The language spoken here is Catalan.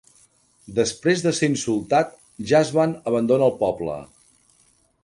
Després de ser insultat, Jaswant abandona el poble.